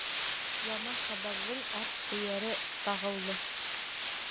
Яман хәбәрҙең ат-эйәре тағыулы.